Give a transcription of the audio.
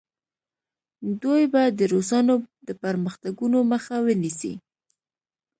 دوی به د روسانو د پرمختګونو مخه ونیسي.